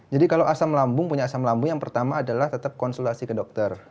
jadi kalau asam lambung punya asam lambung yang pertama adalah tetap konsultasi ke dokter